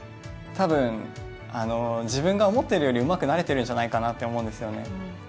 たぶん、自分が思ってよりうまくなれてるんじゃないかなって思うんですよね。